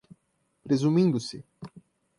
presumindo-se